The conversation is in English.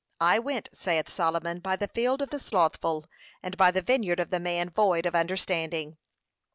'I went,' saith Solomon, 'by the field of the slothful, and by the vineyard of the man void of understanding.